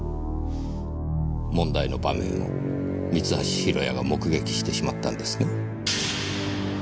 問題の場面を三橋弘也が目撃してしまったんですね？